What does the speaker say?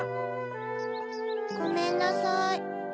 ごめんなさい。